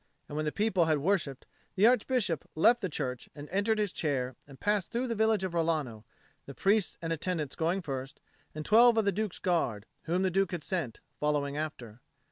And when the people had worshipped, the Archbishop left the church and entered his chair and passed through the village of Rilano, the priests and attendants going first, and twelve of the Duke's Guard, whom the Duke had sent, following after.